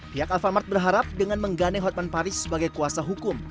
pihak alfamart berharap dengan menggandeng hotman paris sebagai kuasa hukum